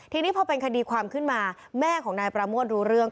ทีนี้พอเป็นคดีความขึ้นมาแม่ของนายประโมทรู้เรื่อง